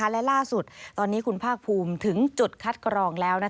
และล่าสุดตอนนี้คุณภาคภูมิถึงจุดคัดกรองแล้ว